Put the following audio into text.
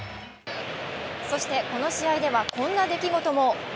そしてこの試合ではこんな出来事も。